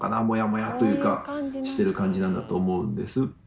もやもやというかしてる感じなんだと思うんです。